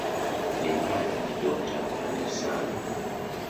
They had a daughter and a son.